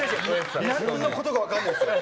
何のことか分からないですよ。